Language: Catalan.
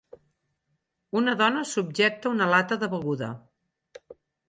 Una dona subjecta una lata de beguda.